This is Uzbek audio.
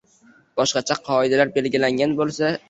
boshqacha qoidalar belgilangan bo‘lsa